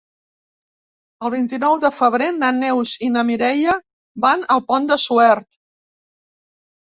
El vint-i-nou de febrer na Neus i na Mireia van al Pont de Suert.